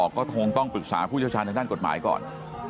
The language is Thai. ก็คงต้องปรึกษาผู้เชี่ยวชาญทางด้านกฎหมายก่อน